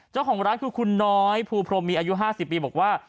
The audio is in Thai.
เจ้าของร้านคือคุณน้อยภูพรมมีอายุ๕๐ปีบอกว่า